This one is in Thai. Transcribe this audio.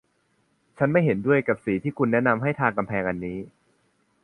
ฉันไม่เห็นด้วยกับสีที่คุณแนะนำให้ทากำแพงอันนี้